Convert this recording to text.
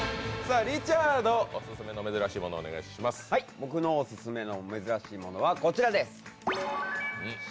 僕のオススメの珍しいものはこちらでございます。